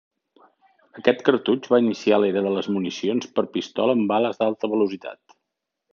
Aquest cartutx va iniciar l'era de les municions per a pistola amb bales d'alta velocitat.